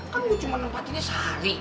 kan lo cuma nempatinnya sehari